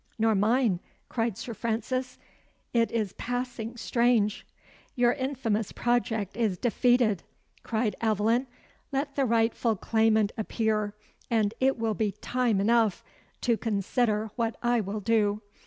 "Nor mine," cried Sir Francis. "'T is passing strange!" "Your infamous project is defeated," cried Aveline. "Let the rightful claimant appear, and it will be time enough to consider what I will do.